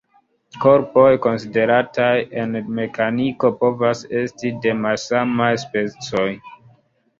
Korpoj konsiderataj en mekaniko povas esti de malsamaj specoj.